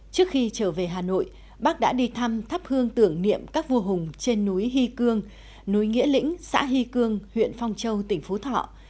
trước khi trở về hà nội bác đã đi thăm thắp hương tưởng niệm các vua hùng trên núi hy cương núi nghĩa lĩnh xã hy cương huyện phong châu tỉnh phú thọ